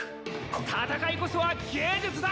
戦いこそは芸術だ！